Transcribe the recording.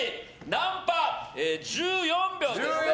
ナンパ、１４秒ですね。